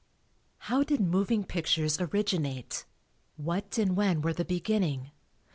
How did moving pictures originate? What and when were the beginning?